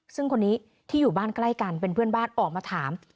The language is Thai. ซึ่งคนนี้ที่อยู่บ้านใกล้กันเป็นเพื่อนบ้านออกมาถาม